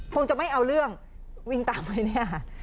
คงจะไม่เอาเรื่องวิ่งตามไว้นี่